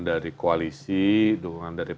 dari koalisi dukungan dari